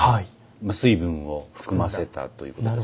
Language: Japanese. まあ水分を含ませたということですね。